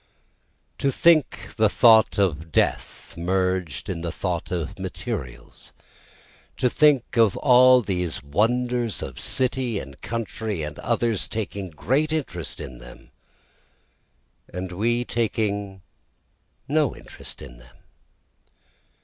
3 To think the thought of death merged in the thought of materials, To think of all these wonders of city and country, and others taking great interest in them, and we taking no interest in them.